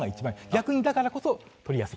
逆にだからこそ取りやすい。